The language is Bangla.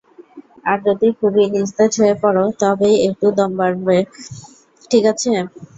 আর যদি খুবই নিস্তেজ হয়ে পড়ো, তবেই একটু দম মারবে, ঠিক আছে?